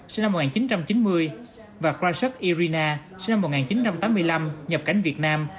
sinh năm một nghìn chín trăm chín mươi và krasov irina sinh năm một nghìn chín trăm tám mươi năm nhập cảnh việt nam